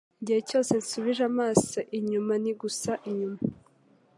Igihe cyose nsubije amaso inyuma ni GUSA inyuma.